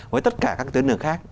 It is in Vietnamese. với tất cả các cái tuyến đường khác